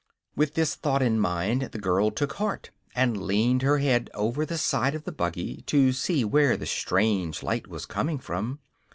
With this thought in mind the girl took heart and leaned her head over the side of the buggy to see where the strange light was coming from.